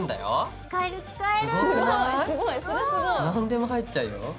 何でも入っちゃうよ。